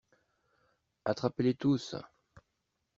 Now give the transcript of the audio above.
Attrapez-les tous!